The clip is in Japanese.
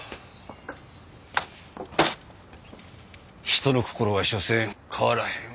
人の心はしょせん変わらへん。